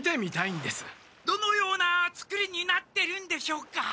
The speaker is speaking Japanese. どのようなつくりになってるんでしょうか？